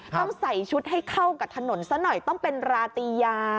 ต้องใส่ชุดให้เข้ากับถนนซะหน่อยต้องเป็นราติยา